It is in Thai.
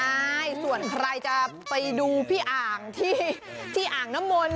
ใช่ส่วนใครจะไปดูพี่อ่างที่อ่างน้ำมนต์